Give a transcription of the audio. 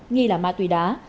nghi là ma túy đá